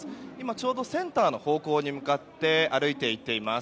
ちょうどセンターの方向に向かって歩いて行っています。